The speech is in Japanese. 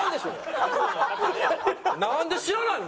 なんで知らない？